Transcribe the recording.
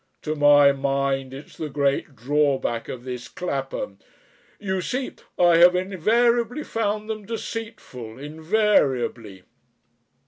To my mind it's the great drawback of this Clapham. You see ... I have invariably found them deceitful invariably."